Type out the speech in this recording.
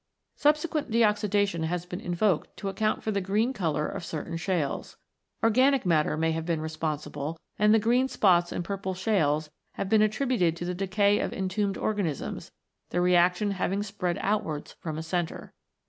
Subsequent deoxidation has been invoked to account for the green colour of certain shales. Organic matter may have been responsible, and the green spots in purple slates have been attributed to the decay of entombed organisms, the reaction having spread outwards from a centre.